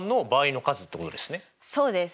そうです。